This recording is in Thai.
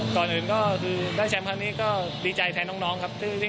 ก่อนอื่นก็คือได้แชมป์ครั้งนี้ก็ดีใจแทนน้องครับ